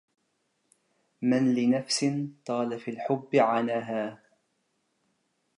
من لنفس طال في الحب عناها